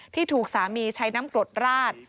ที่ถูกสามีใช้น้ำกรดราด